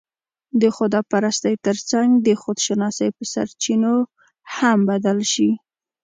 د خدا پرستۍ تر څنګ، د خودشناسۍ په سرچينو هم بدل شي